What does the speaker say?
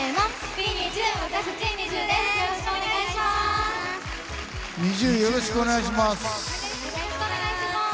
よろしくお願いします。